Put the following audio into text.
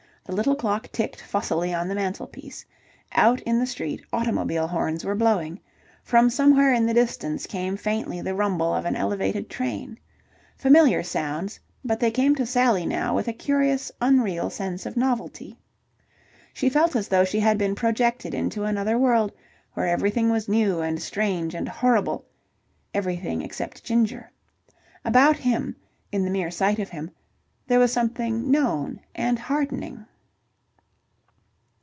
The little clock ticked fussily on the mantelpiece. Out in the street automobile horns were blowing. From somewhere in the distance came faintly the rumble of an elevated train. Familiar sounds, but they came to Sally now with a curious, unreal sense of novelty. She felt as though she had been projected into another world where everything was new and strange and horrible everything except Ginger. About him, in the mere sight of him, there was something known and heartening.